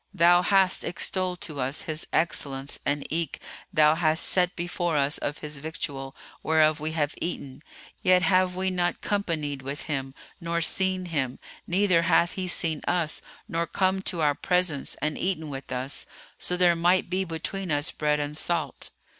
Thou hast extolled to us his excellence and eke thou hast set before us of his victual whereof we have eaten; yet have we not companied with him nor seen him, neither hath he seen us nor come to our presence and eaten with us, so there might be between us bread and salt."